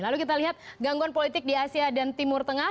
lalu kita lihat gangguan politik di asia dan timur tengah